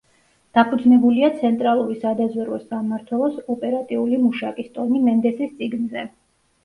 დაფუძნებულია ცენტრალური სადაზვერვო სამმართველოს ოპერატიული მუშაკის, ტონი მენდესის წიგნზე.